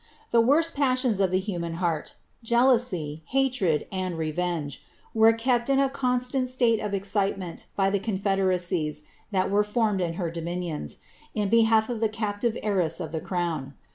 The worst passions of the human —jealousy, hatred, and revenge— were kept in a constant state of ifflent by the confederacies that were formed in her dominions, in f of the captive heiress of the crown.